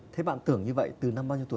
thế bạn tưởng như vậy từ năm bao nhiêu tuổi